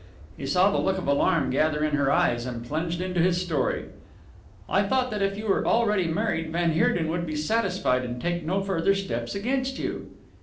He saw the look of alarm gather in her eyes and plunged into his story. "I thought that if you were already married van Heerden would be satisfied and take no further steps against you."